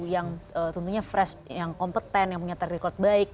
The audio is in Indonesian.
yang tentunya fresh yang kompeten yang punya terrekord baik